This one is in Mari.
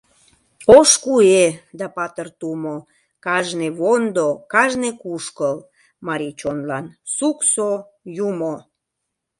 Ош куэ да патыр тумо, Кажне вондо, кажне кушкыл Марий чонлан суксо, Юмо.